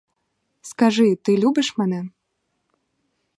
Скажи, ти любиш мене?